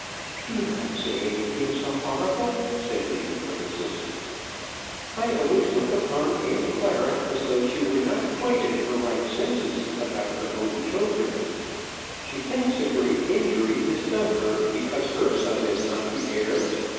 "Do not say anything so horrible," said Lady Frances. "I always look upon Aunt Clara as though she were not quite in her right senses about her own children. She thinks a great injury is done her because her son is not the heir.